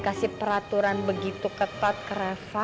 kasih peraturan begitu ketat ke reva